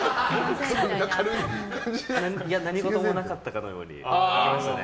いや、何事もなかったかのように行きましたね。